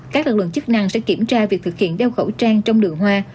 các lực lượng chức năng sẽ kiểm tra việc thực hiện đeo khẩu trang trong đường hoa